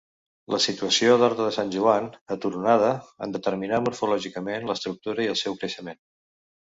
La situació d'Horta de Sant Joan, aturonada, en determinà morfològicament l'estructura i el seu creixement.